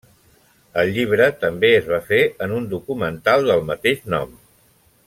El llibre també es va fer en un documental del mateix nom.